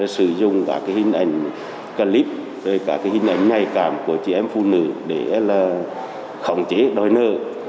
sử dụng cả hình ảnh clip cả hình ảnh nhạy cảm của chị em phụ nữ để khỏng chế đòi nợ